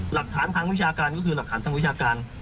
หลักฐานทางวิชาการก็คือหลักฐานทางวิชาการ